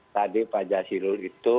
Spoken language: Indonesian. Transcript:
tadi pak jazilul itu